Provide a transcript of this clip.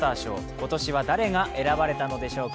今年は誰が選ばれたのでしょうか。